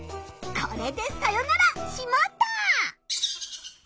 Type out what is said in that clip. これでさよなら「しまった！」。